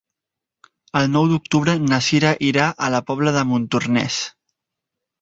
El nou d'octubre na Cira irà a la Pobla de Montornès.